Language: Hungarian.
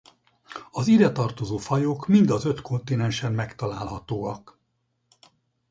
Az ide tartozó fajok mind az öt kontinensen megtalálhatóak.